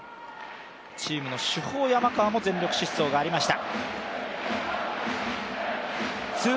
チームの主砲・山川の全力疾走もありました。